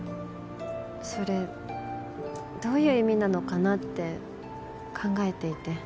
それどういう意味なのかなって考えていて。